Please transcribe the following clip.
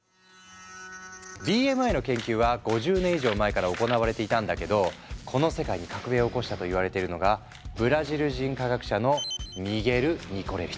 ＢＭＩの研究は５０年以上前から行われていたんだけどこの世界に革命を起こしたといわれているのがブラジル人科学者のミゲル・ニコレリス。